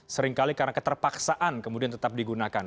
seringkali karena keterpaksaan kemudian tetap digunakan